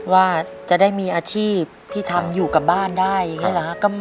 ว่าจะได้มีอาชีพที่ทำอยู่กับบ้านได้อย่างนี้หรือครับ